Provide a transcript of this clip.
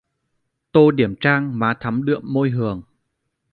Tô điểm trang má thắm đượm môi hường